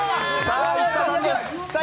さぁ、石田さんです。